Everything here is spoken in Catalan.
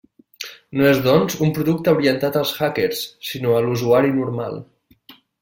No és doncs un producte orientat als hackers, sinó a l'usuari normal.